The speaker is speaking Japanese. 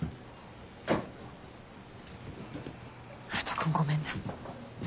悠人君ごめんな。